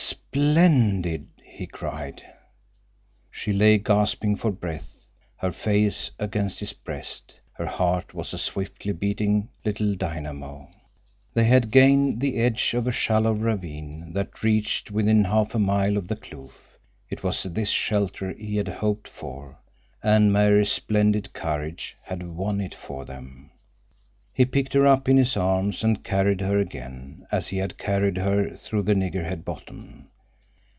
"Splendid!" he cried. She lay gasping for breath, her face against his breast. Her heart was a swiftly beating little dynamo. They had gained the edge of a shallow ravine that reached within half a mile of the kloof. It was this shelter he had hoped for, and Mary's splendid courage had won it for them. He picked her up in his arms and carried her again, as he had carried her through the nigger head bottom.